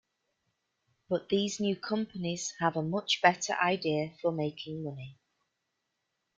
But these new companies have a much better idea for making money.